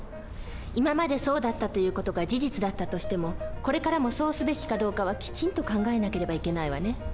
今までそうだったという事が事実だったとしてもこれからもそうすべきかどうかはきちんと考えなければいけないわね。